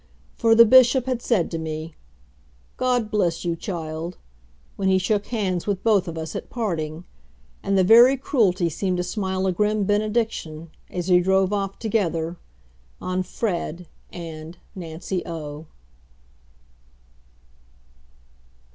For the Bishop had said to me, "God bless you, child," when he shook hands with both of us at parting, and the very Cruelty seemed to smile a grim benediction, as we drove off together, on Fred and NANCY O.